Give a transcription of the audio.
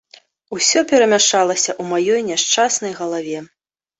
Усё перамяшалася ў маёй няшчаснай галаве.